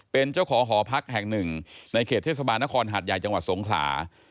เป็นเจ้าของหอพักแห่งหนึ่งในเขตเทศบาลนครหัดใหญ่จังหวัดสงขลา